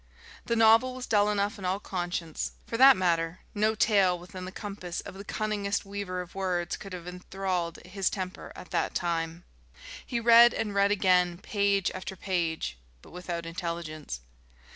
The novel was dull enough in all conscience; for that matter no tale within the compass of the cunningest weaver of words could have enthralled his temper at that time. He read and read again page after page, but without intelligence.